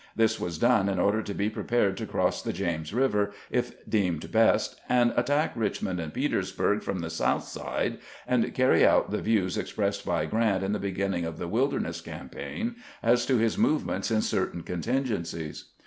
This was done in order to be prepared to cross the James Eiver, if deemed best, and attack Eichmond and Petersbm'g from the south side, and carry out the views expressed by Grant in the begin ning of the Wilderness campaign as to his movements in certain contingencies.